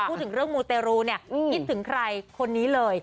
พูดถึงตรงมูเตรูิตถึงใครคนนี้เลย